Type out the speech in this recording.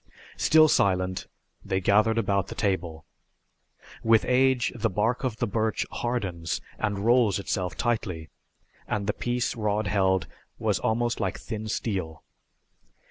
Still silent, they gathered about the table. With age the bark of the birch hardens and rolls itself tightly, and the piece Rod held was almost like thin steel.